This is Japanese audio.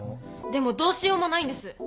でもどうしようもないんです。